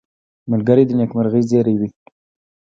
ملګری د نېکمرغۍ زېری وي